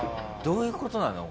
どういう事なの？